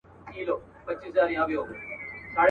خپل اولاد وږي زمري ته په خوله ورکړم.